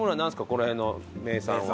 この辺の名産は。